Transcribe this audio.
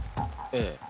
ええ。